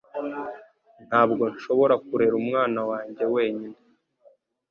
Ntabwo nshobora kurera umwana wanjye wenyine